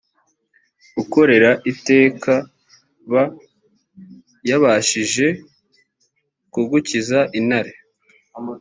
ukorera itekab yabashije kugukiza intare